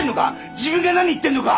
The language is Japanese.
自分が何言ってんのか！